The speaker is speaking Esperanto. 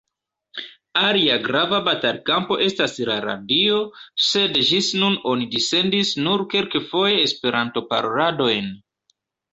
Alia grava batalkampo estas la radio, sed ĝis nun oni dissendis nur kelkfoje Esperanto-paroladojn.